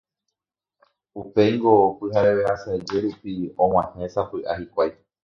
Upéingo, pyhareve asaje rupi, og̃uahẽsapy'a hikuái.